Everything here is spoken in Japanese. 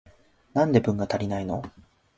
なんで文が足りないの？